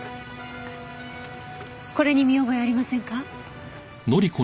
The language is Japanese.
これに見覚えありませんか？